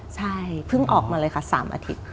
ใช่เพิ่งออกมาเลยค่ะ๓อาทิตย์